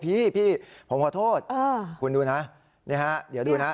พี่พี่ผมขอโทษคุณดูนะนี่ฮะเดี๋ยวดูนะ